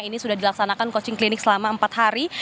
ini sudah dilaksanakan coaching klinik selama empat hari